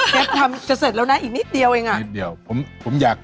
เชฟทำจะเสร็จแล้วนะอีกนิดเดียวเอง